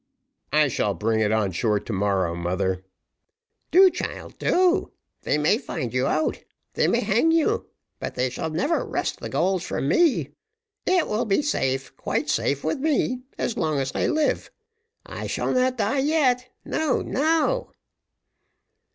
"I shall bring it on shore to morrow, mother." "Do, child, do. They may find you out they may hang you but they shall never wrest the gold from me. It will be safe quite safe, with me, as long as I live. I shall not die yet no, no."